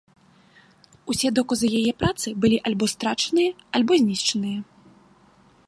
Усе доказы яе працы былі альбо страчаныя, альбо знішчаныя.